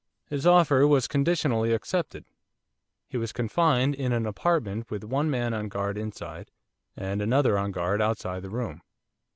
His offer was conditionally accepted. He was confined in an apartment with one man on guard inside and another on guard outside the room.